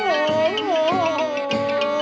อ่าอ่าอ่า